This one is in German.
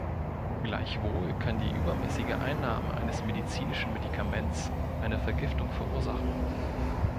Gleichwohl kann die übermäßige Einnahme eines medizinischen Medikaments eine Vergiftung verursachen.